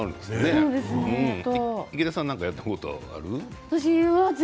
池田さんは何かやったことあるんですか？